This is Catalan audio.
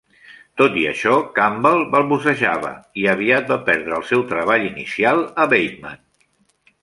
Tot i això, Campbell, balbucejava i aviat va perdre el seu treball inicial a Bateman.